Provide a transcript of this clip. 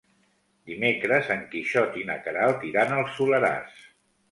Dimecres en Quixot i na Queralt iran al Soleràs.